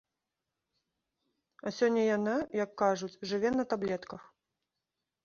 А сёння яна, як кажуць, жыве на таблетках.